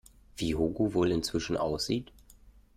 Wie Hugo wohl inzwischen aussieht?